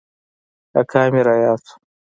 اکا مې راياد سو.